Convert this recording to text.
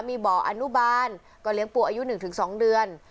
มีบ่ออนุบาลก็เลี้ยงปูอายุหนึ่งถึงสองเดือน